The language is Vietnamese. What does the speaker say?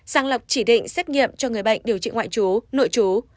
sáng lọc chỉ định xét nghiệm cho người bệnh điều trị ngoại trú nội trú